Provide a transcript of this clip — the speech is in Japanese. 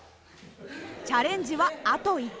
チャレンジはあと１回。